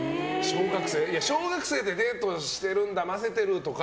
小学生でデートしてるんだませてる！とか